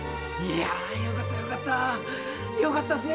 いやよかったよかった。